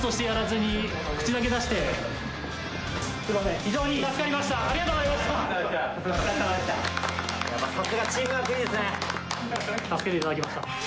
助けていただきました。